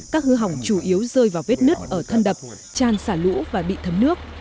các hư hỏng chủ yếu rơi vào vết nứt ở thân đập tràn xả lũ và bị thấm nước